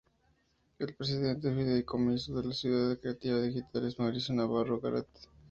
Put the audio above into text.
El Presidente del Fideicomiso de Ciudad Creativa Digital es Mauricio Navarro Garate.